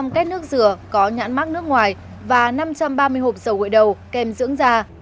một trăm linh kết nước rửa có nhãn mắc nước ngoài và năm trăm ba mươi hộp dầu gội đầu kèm dưỡng da